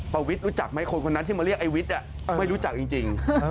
ปวิทรู้จักไหมคนที่มาเรียกไอ้วิทร์ไม่รู้จักจริง